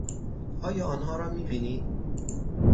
آیا آنها را می بینی؟